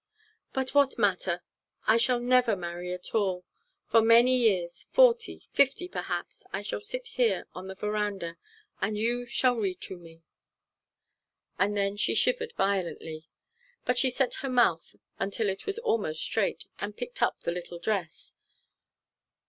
"But what matter? I shall never marry at all. For many years forty, fifty perhaps I shall sit here on the veranda, and you shall read to me." And then she shivered violently. But she set her mouth until it was almost straight, and picked up the little dress.